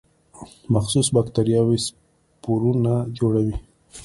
مخصوص باکتریاوې سپورونه جوړوي.